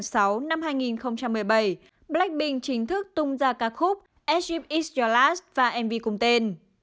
ngày hai mươi hai tháng sáu năm hai nghìn một mươi bảy blackpink chính thức tung ra ca khúc egypt is your last và mv cùng tên